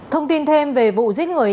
thông tin thêm về vụ giết người